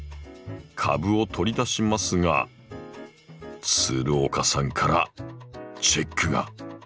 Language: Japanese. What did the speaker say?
株を取り出しますが岡さんからチェックが！